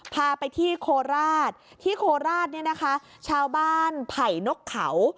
พาไปที่โคราชที่โคราชเนี่ยนะคะชาวบ้านไผ่นกเขา